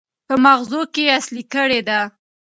په ماغزو کې اصلي ګړۍ ده.